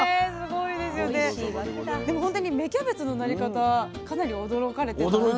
でもほんとに芽キャベツのなり方かなり驚かれてる。